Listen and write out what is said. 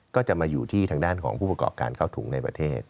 ก็จะมาอยู่ที่ทางด้านของผู้ประกอบการเข้าถุงในประเทศ